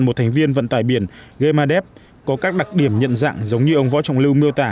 một thành viên vận tài biển gema dep có các đặc điểm nhận dạng giống như ông võ trọng lưu miêu tả